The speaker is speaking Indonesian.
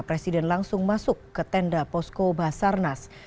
presiden langsung masuk ke tenda posko basarnas